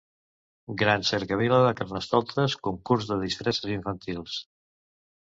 Gran cercavila de carnestoltes, concurs de disfresses infantil.